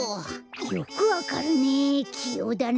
よくわかるねきようだな。